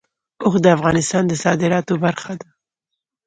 اوښ د افغانستان د صادراتو برخه ده.